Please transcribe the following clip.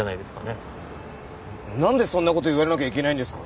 なんでそんな事言われなきゃいけないんですか。